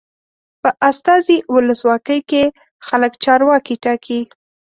په استازي ولسواکۍ کې خلک چارواکي ټاکي.